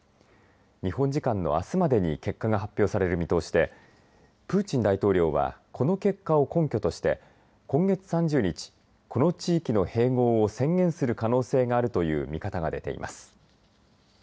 日本時間のあすまでに結果が発表される見通しでプーチン大統領はこの結果を根拠として今月３０日この地域の併合を宣言する可能性があるという見方が出ています。